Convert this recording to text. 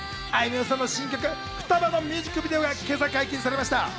あいみょんさんの新曲『双葉』のミュージックビデオが今朝、解禁されました。